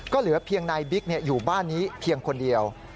ก็เหลือเพียงนายบิ๊กอยู่บ้านนี้เพียงคนเดียว